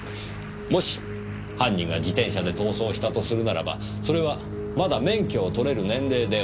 もし犯人が自転車で逃走したとするならばそれはまだ免許を取れる年齢ではなかったから。